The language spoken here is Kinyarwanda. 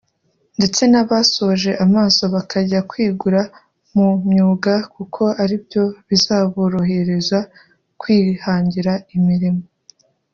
ndetse n’abasoje amaso bakajya kwigura mu myuga kuko aribyo bizaborohereza kwihangira imirimo